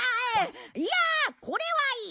いやあこれはいい！